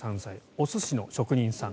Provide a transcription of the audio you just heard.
お寿司の職人さん。